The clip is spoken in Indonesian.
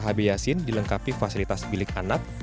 hb yasin dilengkapi fasilitas bilik anak